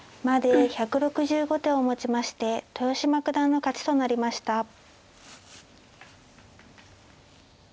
まで１６５手をもちまして豊島九段の勝ちとなりました。